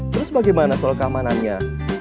terus bagaimana soal keamanannya